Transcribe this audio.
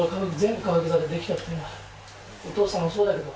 お父さんもそうだけど。